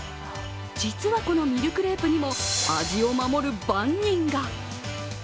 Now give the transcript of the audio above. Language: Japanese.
実はこのミルクレープにも味を守る番人が。